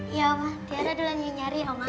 iya oma tiara dulu nyu nyari oma